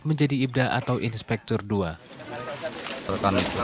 menjadi ibda atau inspektur dua